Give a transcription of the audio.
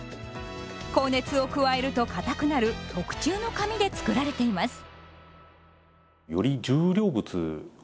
高熱を加えると硬くなる特注の紙で作られています。